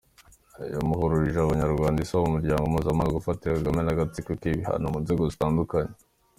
Yahumurije abanyarwanda isaba umuryango mpuzamahanga gufatira Kagame n’agatsiko ke ibihano mu nzego zitandukanye.